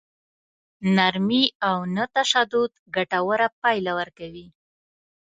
نرمي او نه تشدد ګټوره پايله ورکوي.